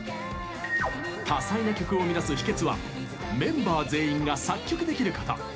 多彩な曲を生み出す秘けつはメンバー全員が作曲できること。